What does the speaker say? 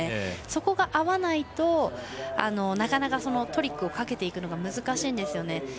そこが合わないとなかなかトリックをかけていくのが難しいんですよね。